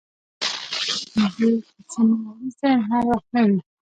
دکوچنیوالي ذهن هر وخت نه وي.